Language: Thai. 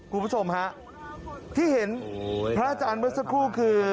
คุณผู้ชมฮะที่เห็นพระอาจารย์เมื่อสักครู่คือ